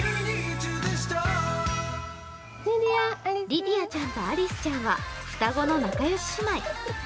リディアちゃんとアリスちゃんは双子の仲良し姉妹。